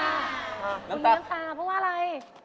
คุณมีน้ำตาเพราะว่าอะไร